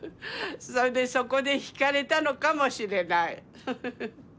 それでそこで惹かれたのかもしれない。